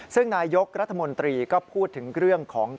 ซึ่งนายกรัฐมนตรีก็พูดถึงเรื่องของ